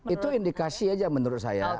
itu indikasi aja menurut saya